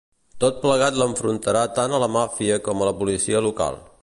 Tot plegat l'enfrontarà tant a la màfia com a la policia local.